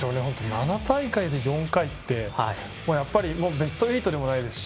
７大会で４回ってやっぱりベスト８でもないですし